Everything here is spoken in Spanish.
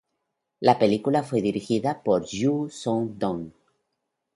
La película fue dirigida por Yoo Sun Dong.